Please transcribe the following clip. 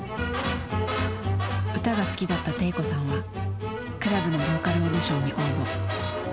歌が好きだった悌子さんはクラブのボーカルオーディションに応募。